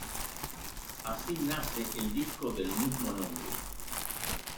Así nace el disco del mismo nombre.